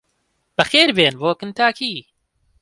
بەخێربێن بۆ کنتاکی!